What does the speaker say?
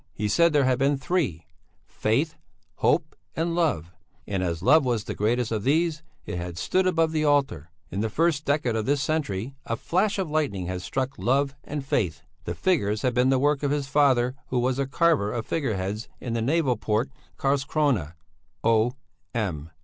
He said there had been three: Faith, Hope, and Love; and as Love was the greatest of these, it had stood above the altar. In the first decade of this century a flash of lightning had struck Love and Faith. The figures had been the work of his father who was a carver of figure heads in the naval port Karlskrona. O. M.